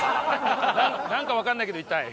なんかわかんないけど痛い？